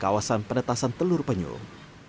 pada kawasan penetasan telur penyum